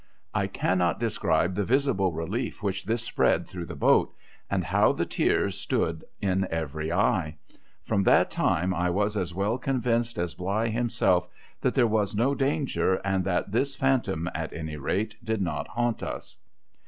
I cannot describe the visible relief which this spread through the boat, and how the tears stood in every eye. From that time I was as well convinced as Bligh himself that there was no danger, and that this phantom, at any rate, did not haunt us.